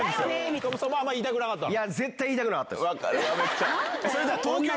塚本さんもあんま言いたくなかったの？